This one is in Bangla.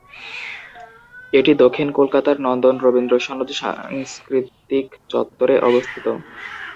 এটি দক্ষিণ কলকাতার নন্দন-রবীন্দ্রসদন সাংস্কৃতিক চত্বরে অবস্থিত।